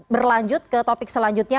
berlanjut ke topik selanjutnya